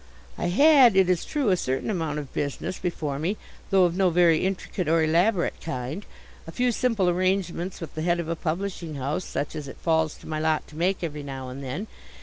I had, it is true, a certain amount of business before me, though of no very intricate or elaborate kind a few simple arrangements with the head of a publishing house such as it falls to my lot to make every now and then.